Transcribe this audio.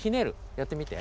やってみて。